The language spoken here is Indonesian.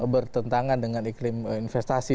bertentangan dengan iklim investasi